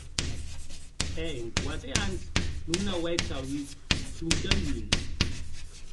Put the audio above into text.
E en quate ans non n’auetz auut sonque un?